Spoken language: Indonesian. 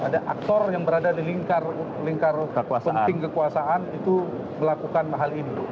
ada aktor yang berada di lingkar penting kekuasaan itu melakukan hal ini